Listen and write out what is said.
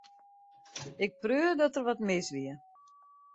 Ik preau dat der wat mis wie.